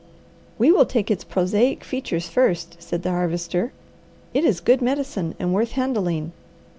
"We will take its prosaic features first," said the Harvester. "It is good medicine and worth handling.